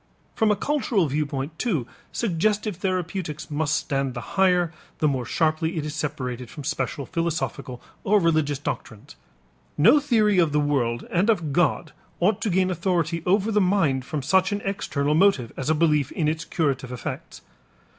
From a cultural viewpoint, too, suggestive therapeutics must stand the higher, the more sharply it is separated from special philosophical or religious doctrines. No theory of the world and of God ought to gain authority over the mind from such an external motive as a belief in its curative effects.